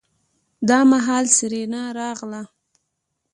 دا مهال سېرېنا راغله.